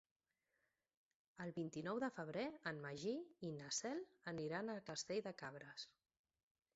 El vint-i-nou de febrer en Magí i na Cel aniran a Castell de Cabres.